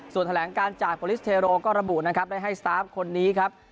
ส่วนแถลงการจากโปรลิสเทโรก็ระบุนะครับได้ให้สตาร์ฟคนนี้ครับ